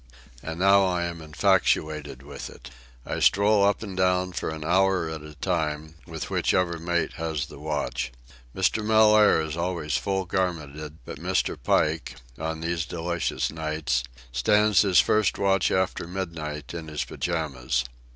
And now I am infatuated with it. I stroll up and down for an hour at a time, with whichever mate has the watch. Mr. Mellaire is always full garmented, but Mr. Pike, on these delicious nights, stands his first watch after midnight in his pyjamas.